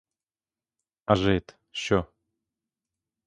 А жид — що?